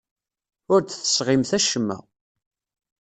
Ur d-tesɣimt acemma.